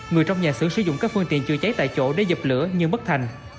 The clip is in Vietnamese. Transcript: người trong nhà xưởng sử dụng các phương tiện chữa cháy tại chỗ để dập lửa nhưng bất thành